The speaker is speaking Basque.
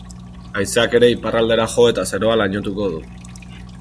Haizeak ere iparraldera jo eta zerua lainotuko du.